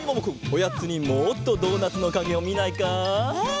おやつにもっとドーナツのかげをみないか？